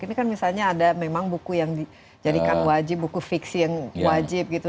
ini kan misalnya ada memang buku yang dijadikan wajib buku fiksi yang wajib gitu